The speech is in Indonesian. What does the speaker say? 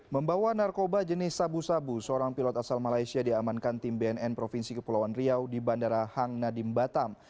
membawa narkoba jenis sabu sabu seorang pilot asal malaysia diamankan tim bnn provinsi kepulauan riau di bandara hang nadim batam